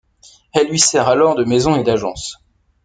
Elle lui sert alors de maison et d'agence.